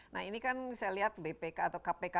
nah ini kan saya lihat bpk atau kpk